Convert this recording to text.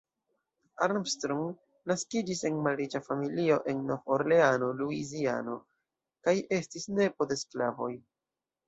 Armstrong naskiĝis en malriĉa familio en Nov-Orleano, Luiziano, kaj estis nepo de sklavoj.